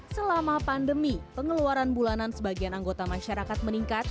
selama pandemi pengeluaran bulanan sebagian anggota masyarakat meningkat